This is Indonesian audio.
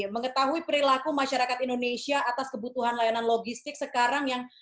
mengetahui perilaku masyarakat indonesia atas kebutuhan layanan logistik sekarang yang